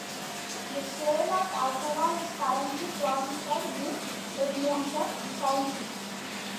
The sale of alcohol is currently prohibited in Edmonson County.